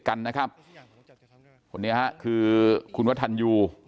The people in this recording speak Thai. กลุ่มตัวเชียงใหม่